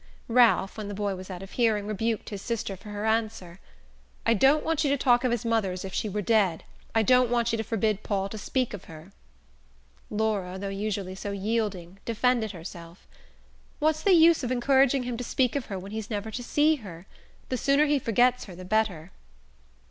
Ralph, when the boy was out of hearing, rebuked his sister for her answer. "I don't want you to talk of his mother as if she were dead. I don't want you to forbid Paul to speak of her." Laura, though usually so yielding, defended herself. "What's the use of encouraging him to speak of her when he's never to see her? The sooner he forgets her the better."